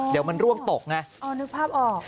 เดี๋ยวมันร่วงตกไงอ๋อนึกภาพออก